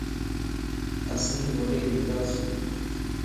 اسين ھوڏي ونداسين